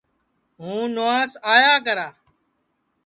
ہُوں نُواس آیا کرا